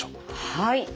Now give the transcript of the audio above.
はい。